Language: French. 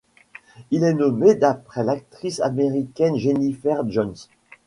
Il est nommé d'après l'actrice américaine Jennifer Jones.